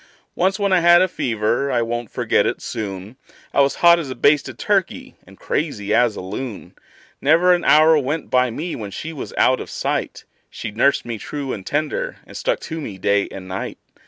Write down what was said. Once when I had a fever I won't forget it soon I was hot as a basted turkey and crazy as a loon; Never an hour went by me when she was out of sight She nursed me true and tender, and stuck to me day and night.